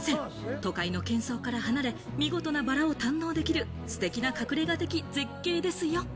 都会の喧騒から離れ、見事なバラを堪能できるステキな隠れ家的絶景ですよ。